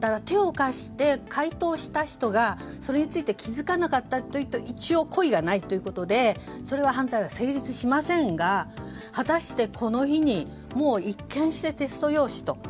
ただ、手を貸して解答した人がそれについて気づかなかったとなると一応、故意がないということで犯罪は成立しませんが果たしてこの日に一見してテスト用紙と。